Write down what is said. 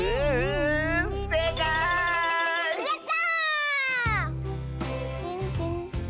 やった！